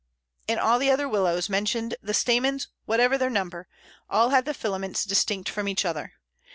In all the other Willows mentioned the stamens, whatever their number, all have the filaments distinct from each other.